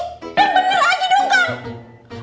yang bener aja dong kan